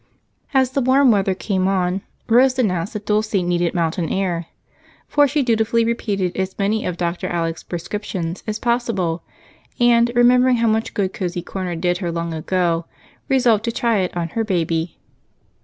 As the warm weather came on, Rose announced that Dulce needed mountain air, for she dutifully repeated as many of Dr. Alec's prescriptions as possible and, remembering how much good Cozy Corner did her long ago, resolved to try it on her baby.